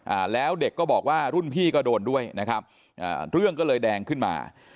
อ่าแล้วเด็กก็บอกว่ารุ่นพี่ก็โดนด้วยนะครับอ่าเรื่องก็เลยแดงขึ้นมา